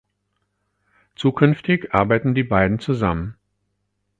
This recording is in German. Zukünftig arbeiten die beiden zusammen.